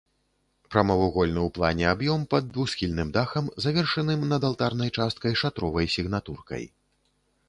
Прамавугольны ў плане аб'ём пад двухсхільным дахам, завершаным над алтарнай часткай шатровай сігнатуркай.